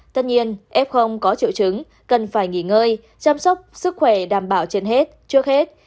tất nhiên f có triệu chứng cần phải nghỉ ngơi chăm sóc sức khỏe đảm bảo trên hết trước hết